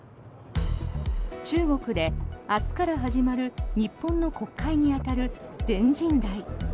中国で明日から始まる日本の国会に当たる全人代。